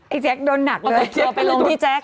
ไอ้แจ๊คโดนหนักเลยโทรไปลงที่แจ๊ค